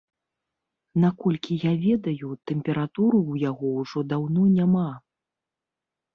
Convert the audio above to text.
Наколькі я ведаю, тэмпературы ў яго ўжо даўно няма.